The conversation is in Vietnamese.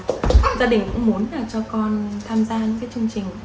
gia đình cũng muốn cho con tham gia chương trình